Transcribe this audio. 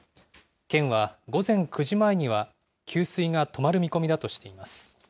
県は、午前９時前には給水が止まる見込みだとしています。